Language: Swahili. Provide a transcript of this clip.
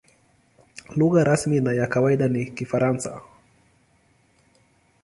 Lugha rasmi na ya kawaida ni Kifaransa.